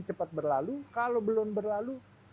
cepat berlalu kalau belum berlalu